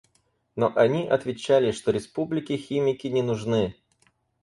Но они отвечали, что республике химики не нужны.